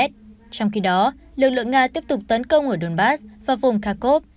trong khi đó lực lượng nga tiếp tục tấn công ở đôn bắc và vùng kharkov